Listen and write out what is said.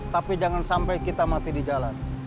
tapi jangan sampai kita mati di jalan